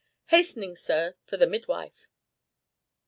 "Hastening, sir, for the midwife.